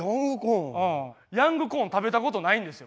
ヤングコーン食べたことないんですよ